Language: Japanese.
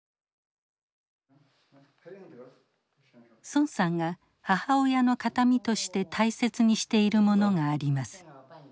孫さんが母親の形見として大切にしているものがあります。